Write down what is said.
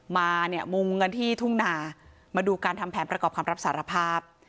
มาเนี่ยมุมกันที่ทุ่งนามาดูการทำแผนประกอบคำรับสารภาพ